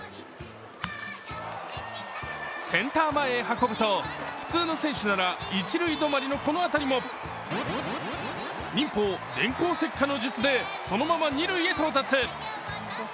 センター前へ運ぶと、普通の選手なら一塁止まりのこの当たりも忍法・電光石火の術でそのまま二塁へ到達。